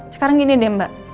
sekarang gini deh mbak